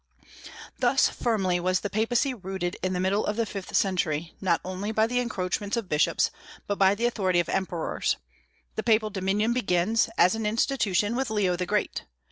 Thus firmly was the Papacy rooted in the middle of the fifth century, not only by the encroachments of bishops, but by the authority of emperors. The papal dominion begins, as an institution, with Leo the Great.